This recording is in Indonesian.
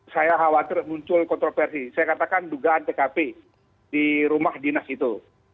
saya khawatir muncul kontroversi saya katakan dugaan tkp di rumah dinas itu